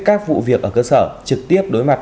các vụ việc ở cơ sở trực tiếp đối mặt